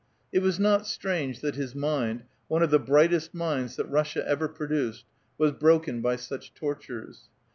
It was not strange that his mind — one of the brightest minds that Russia ever produced — was broken by such tortures.